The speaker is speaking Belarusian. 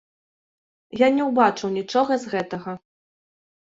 Я не ўбачыў нічога з гэтага.